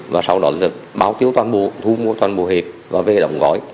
và sau đó là báo tiêu toàn bộ thu mua toàn bộ hệp và về đọng gói